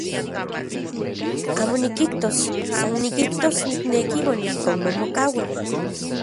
Amo nikijtos, san nikijtos nikneki uan ijkon mamokaua.